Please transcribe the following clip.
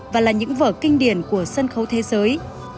và là những vở kinh điển của sân khấu thế giới